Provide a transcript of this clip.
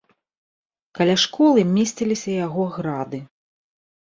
Каля школы месціліся яго грады.